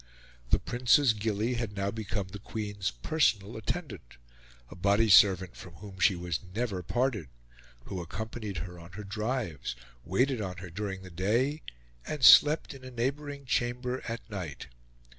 The Prince's gillie had now become the Queen's personal attendant a body servant from whom she was never parted, who accompanied her on her drives, waited on her during the day, and slept in a neighbouring chamber at night.